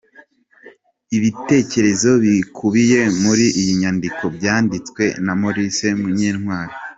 Ibitekerezo bikubiye muri iyi nyandiko byanditswe na Maurice Munyentwali.